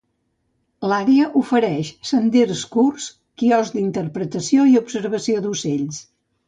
L'àrea ofereix senders curts, quioscs d'interpretació i observació d'ocells.